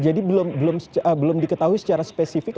jadi belum diketahui secara spesifik